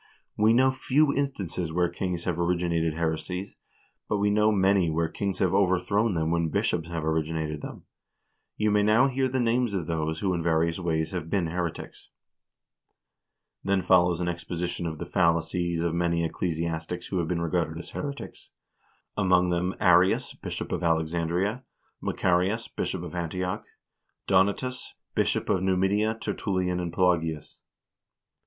We know few instances where kings have originated heresies, but we know many where kings have overthrown them when bishops have originated them. You may now hear the names of those who in various ways have been heretics." Then follows an exposition of the fallacies of many ecclesiastics who have been regarded as heretics; among others, Arms, Bishop of Alexandria, Macarius, Bishop of Antioch, Donatus, Bishop of Numidia, Tertullian and Pelagius.